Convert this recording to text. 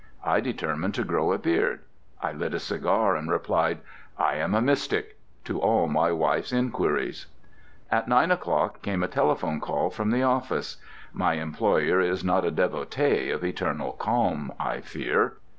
I determined to grow a beard. I lit a cigar, and replied "I am a mystic" to all my wife's inquiries. At nine o'clock came a telephone call from the office. My employer is not a devotee of eternal calm, I fear.